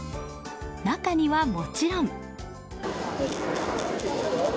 中には、もちろん。